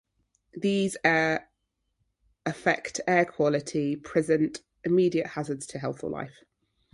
These affect air quality and present immediate hazards to health or life.